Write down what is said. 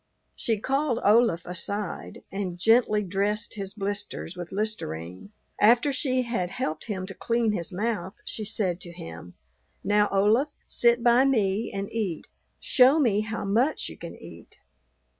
She called Olaf aside and gently dressed his blisters with listerine; after she had helped him to clean his mouth she said to him, "Now, Olaf, sit by me and eat; show me how much you can eat.